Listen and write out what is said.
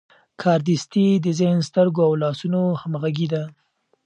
کاردستي د ذهن، سترګو او لاسونو همغږي ده.